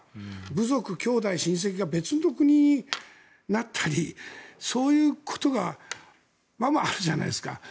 部族、兄弟が別の国になったりそういうことがままあるじゃないですか。